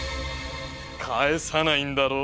返さないんだろ？